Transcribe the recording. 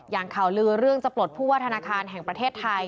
ข่าวลือเรื่องจะปลดผู้ว่าธนาคารแห่งประเทศไทย